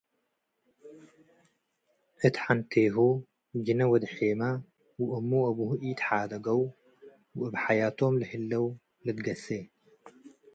እት ሐንቴሁ ጅነ ወድ-ሔመ ወእሙ ወአቡሁ ኢትሓደገው ወእብ ሐያቶም ለህለው ልትገሴ ።